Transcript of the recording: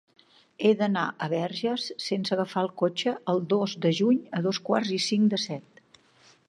He d'anar a Verges sense agafar el cotxe el dos de juny a dos quarts i cinc de set.